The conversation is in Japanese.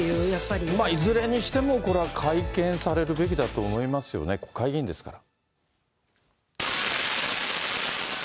いずれにしても、会見されるべきだと思いますよね、国会議員ですから。